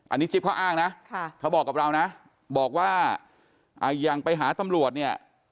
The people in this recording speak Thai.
อันนี้จิ๊บเขาอ้างนะเขาบอกกับเรานะบอกว่าอย่างไปหาตำรวจเนี่ย